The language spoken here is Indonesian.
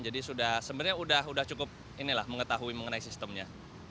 jadi sebenarnya sudah cukup mengetahui mengenai sistemnya